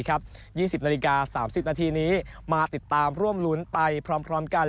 ๒๐นาฬิกา๓๐นาทีนี้มาติดตามร่วมลุ้นไปพร้อมกัน